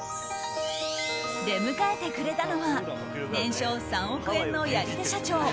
出迎えてくれたのは年商３億円のやり手社長